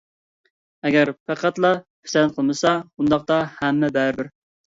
ئەگەر پەقەتلا پىسەنت قىلمىسا، ئۇنداقتا ھەممە بەرىبىر.